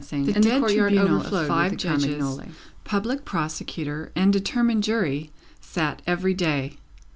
Triumph The dread tribunal of five Judges, Public Prosecutor, and determined Jury, sat every day.